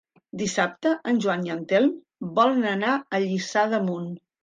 Dissabte en Joan i en Telm volen anar a Lliçà d'Amunt.